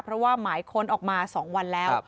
เพราะว่าหมายค้นออกมา๒วันแล้ว